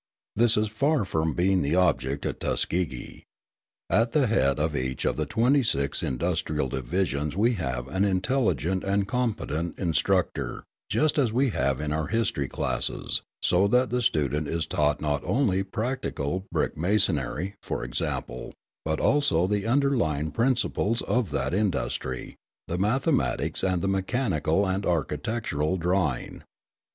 This is far from being the object at Tuskegee. At the head of each of the twenty six industrial divisions we have an intelligent and competent instructor, just as we have in our history classes, so that the student is taught not only practical brick masonry, for example, but also the underlying principles of that industry, the mathematics and the mechanical and architectural drawing.